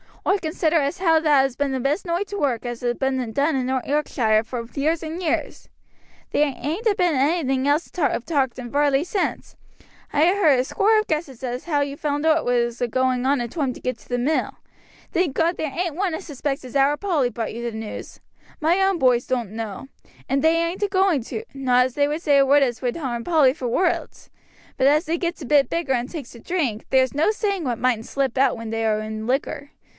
Oi consider as how that has been the best noight's work as ha' been done in Yorkshire for years and years. There ain't a been anything else talked of in Varley since. I ha' heard a score of guesses as to how you found owt what was a going on in toime to get to the mill thank God there ain't one as suspects as our Polly brought you the news. My own boys doan't know, and ain't a going to; not as they would say a word as would harm Polly for worlds, but as they gets a bit bigger and takes to drink, there's no saying what mightn't slip out when they are in liquor.